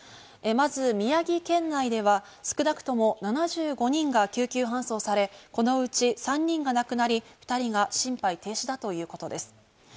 まず宮城県内では少なくとも７５人が救急搬送され、このうち３人が亡くなり、２人が心肺停止だということです。